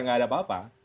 tidak ada apa apa